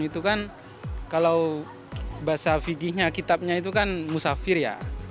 itu kan kalau bahasa figihnya kitabnya itu kan musafir ya